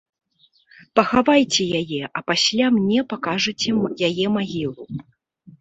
Пахавайце яе, а пасля мне пакажаце яе магілу.